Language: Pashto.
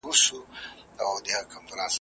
د همدې په زور عالم راته غلام دی ,